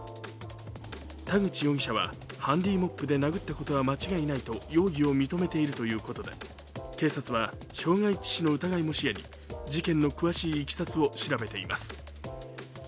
田口容疑者はハンディモップで殴ったことは間違いないと容疑を認めているということで警察は傷害致死の疑いも視野に事件の詳しいいきさつを調べています。